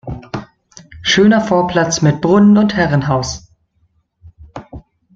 Schöner Vorplatz mit Brunnen und Herrenhaus.